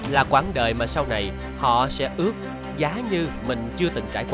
là quãng đời mà sau này họ sẽ ước giá như mình chưa từng trải qua